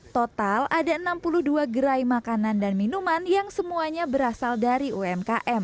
total ada enam puluh dua gerai makanan dan minuman yang semuanya berasal dari umkm